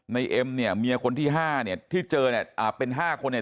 เอ็มเนี่ยเมียคนที่๕เนี่ยที่เจอเนี่ยอ่าเป็น๕คนเนี่ย